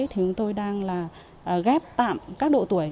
chúng tôi đang ghép tạm các độ tuổi